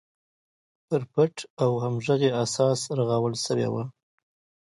پر پټ او همغږي اساس رغول شوې وه.